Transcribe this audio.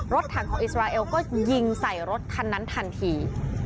ถังของอิสราเอลก็ยิงใส่รถคันนั้นทันที